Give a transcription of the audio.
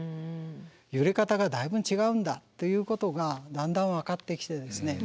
揺れ方がだいぶ違うんだということがだんだん分かってきてですね。